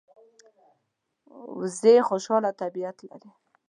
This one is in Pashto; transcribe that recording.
وزې خوشاله طبیعت لري